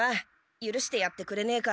ゆるしてやってくれねえか？